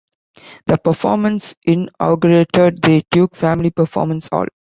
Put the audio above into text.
The performance inaugurated the Duke Family Performance Hall.